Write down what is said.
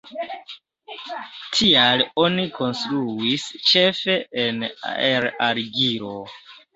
Tial oni konstruis ĉefe el argilo.